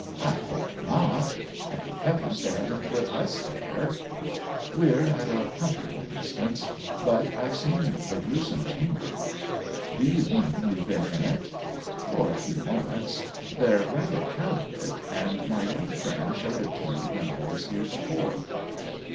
"I hope not 1 Thank Heaven they haven't put «i there !" "We're at a comfortable distance; but I've seen the grewsome chamber." " Do you mean you've been in it ?" "For a few moments. They're rather OWEN WINGRAVE 195 proud of it, and my young friend showed it to me when I was here before."